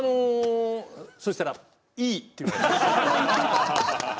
そうしたら「いい！」って言われました。